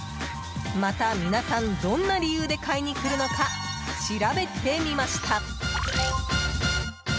また、皆さんどんな理由で買いに来るのか調べてみました。